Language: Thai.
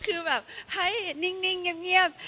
คือแบบให้นิ่งเงียบ